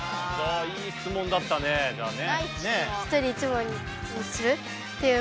いい質問だったねじゃあね。